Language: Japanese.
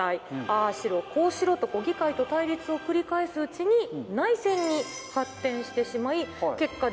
ああしろこうしろと議会と対立を繰り返すうちに内戦に発展してしまい結果